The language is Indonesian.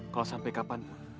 kalau sampai kapan